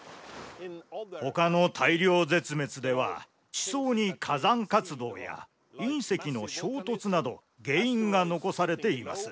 ほかの大量絶滅では地層に火山活動や隕石の衝突など原因が残されています。